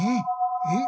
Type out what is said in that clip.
えっ？